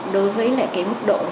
đối với lại cái mức độ